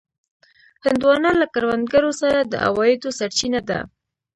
هندوانه له کروندګرو سره د عوایدو سرچینه ده.